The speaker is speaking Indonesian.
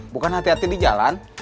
bukan hati hati di jalan